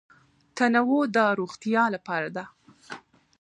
تنوع د روغتیا لپاره ده.